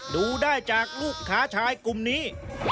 ดูได้จากลูกค้าชายกลุ่มนี้